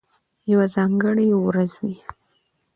یوه ځانګړې ورځ وي،